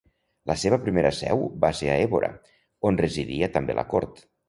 La seva primera seu va ser a Évora, on residia també la Cort.